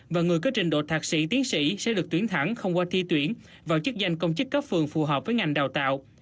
và người có trình độ thạc sĩ tiến sĩ sẽ được tuyển thẳng không qua thi tuyển vào chức danh công chức cấp phường phù hợp với ngành đào tạo